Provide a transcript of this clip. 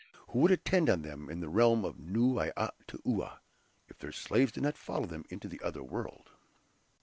Who would attend on them in the realm of Noui Atoua, if their slaves did not follow them into the other world.